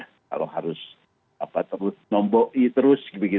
kalau harus nombok terus